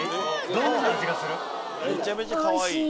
どんな味がする？